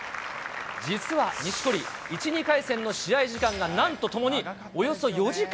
実は錦織、１、２回戦の試合時間がなんとともにおよそ４時間。